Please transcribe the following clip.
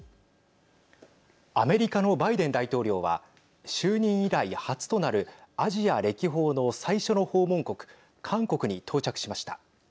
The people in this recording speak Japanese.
アメリカのバイデン大統領は就任以来初となるアジア歴訪の最初の訪問国韓国に到着しました。